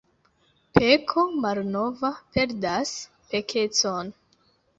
Peko malnova perdas pekecon.